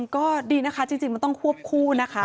ก็ดีนะคะจริงมันต้องควบคู่นะคะ